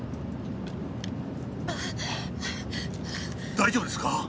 大丈夫ですか？